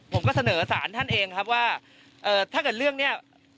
ผมก็เสนอสารท่านเองครับว่าถ้าเกิดเรื่องเนี่ย